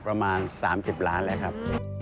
ประมาณ๓๐ล้านบาทแหละครับ